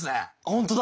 本当だ。